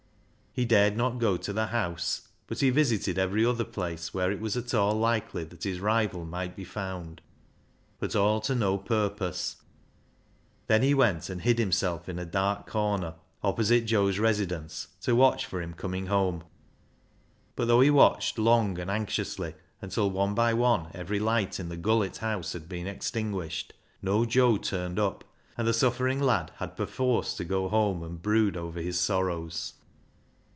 He dared not go to the house, but he visited every other place where it was at all likely that his rival might be found, but all to no purpose. Then he went and hid himself in a dark corner, opposite Joe's residence, to watch for him coming home. But though he watched long and anxiously until one by one every light in the Gullett house had been extinguished, no Joe turned up, and the suffering lad had perforce to go home and brood over his sorrows.